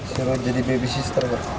siapa jadi babysitter